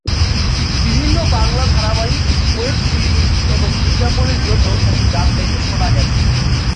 বিভিন্ন বাংলা ধারাবাহিক, web series এবং বিজ্ঞাপনের জন্যেও তাঁকে গান গাইতে শোনা গেছে।